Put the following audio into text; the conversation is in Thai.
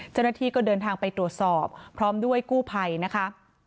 เจ้าหน้าที่ก็เดินทางไปตรวจสอบพร้อมด้วยกู้ภัยนะคะ